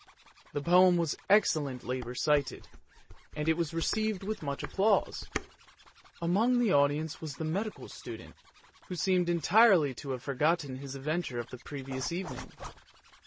The poem was excellently recited, and it was received with much applause. Among the audience was the medical student, who seemed entirely to have forgotten his adventure of the previous evening.